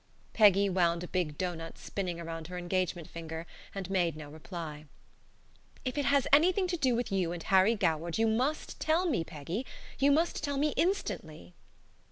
Peggy wound a big doughnut spinning around her engagement finger and made no reply. "If it has anything to do with you and Harry Goward, you must tell me, Peggy. You must tell me instantly."